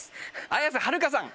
綾瀬はるかさん。